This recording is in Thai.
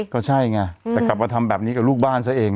ก็ใช่ไงแต่กลับมาทำแบบนี้กับลูกบ้านซะเอง